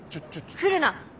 来るな。